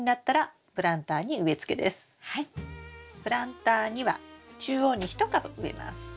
プランターには中央に１株植えます。